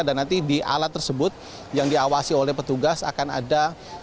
dan nanti di alat tersebut yang diawasi oleh petugas akan ada